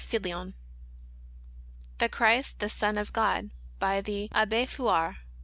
Pillion. The Christ the Son of God, by the Abbe Eouard.